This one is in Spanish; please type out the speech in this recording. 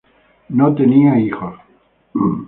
No tenía hijos.